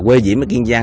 quê diễm ở kiên giang